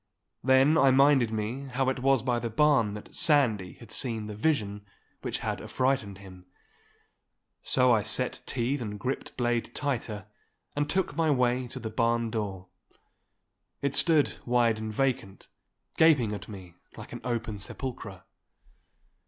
Then I minded me how it was by the barn that Sandy had seen the vision which had affrighted him. So I set teeth and gripped blade tighter, and took my way to the barn door. It stood wide and vacant, gaping at me like an open sepulchre.